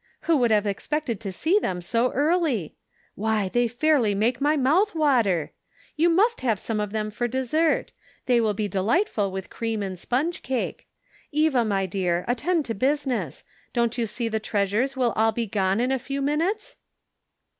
Who would have expected to see them so early? Why, they Their Jewels. 35 fairly make my mouth water ! You must have some of them for desert ; they will be delightful with cream and sponge cake. Eva, my dear, attend to business ; don't you see the treasures will all . be gone in a few minutes